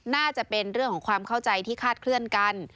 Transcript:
น่าจะเป็นเรื่องของความเข้าใจที่คาดเคลื่อนกัน